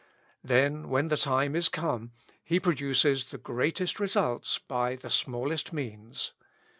Then, when the time is come, he produces the greatest results by the smallest means.